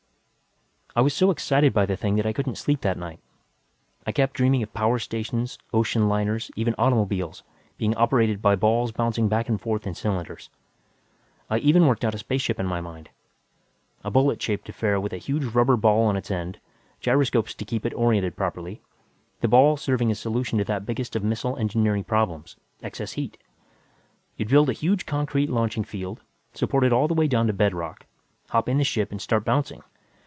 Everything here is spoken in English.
I was so excited by the thing that I couldn't sleep that night. I kept dreaming of power stations, ocean liners, even automobiles, being operated by balls bouncing back and forth in cylinders. I even worked out a spaceship in my mind, a bullet shaped affair with a huge rubber ball on its end, gyroscopes to keep it oriented properly, the ball serving as solution to that biggest of missile engineering problems, excess heat. You'd build a huge concrete launching field, supported all the way down to bedrock, hop in the ship and start bouncing.